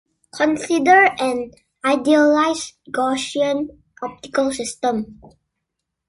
Consider an idealised Gaussian optical system.